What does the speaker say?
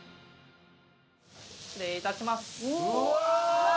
失礼いたします。